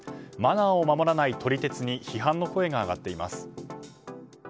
マナーを守らない撮り鉄に批判の声が上がっています。